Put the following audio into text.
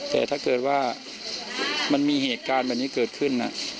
แต่ถ้าเกิดว่ามันมีเหตุการณ์แบบนี้เกิดขึ้น